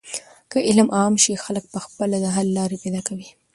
که علم عام شي، خلک په خپله د حل لارې پیدا کوي.